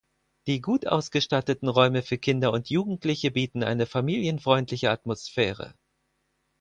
Die gut ausgestatteten Räume für Kinder und Jugendliche bieten eine familienfreundliche Atmosphäre.